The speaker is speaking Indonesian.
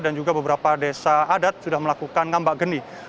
dan juga beberapa desa adat sudah melakukan ngambak genih